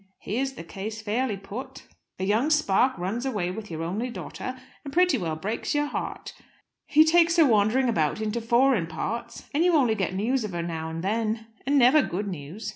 Here's the case fairly put: A young spark runs away with your only daughter, and pretty well breaks your heart. He takes her wandering about into foreign parts, and you only get news of her now and then, and never good news.